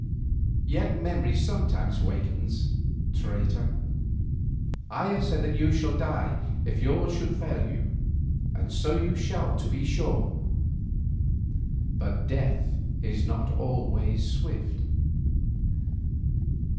"Yet memory sometimes wakens, traitor. I have said that you shall die if yours should fail you, and so you shall to be sure. But death is not always swift.